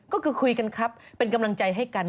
ก็คือคุยกันครับเป็นกำลังใจให้กัน